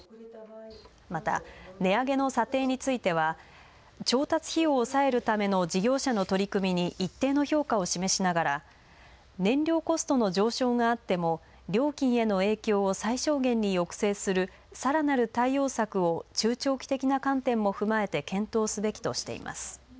また、値上げの査定については調達費用を抑えるための事業者の取り組みに一定の評価を示しながら燃料コストの上昇があっても料金への影響を最小限に抑制するさらなる対応策を中長期的な観点も踏まえて検討すべきとしています。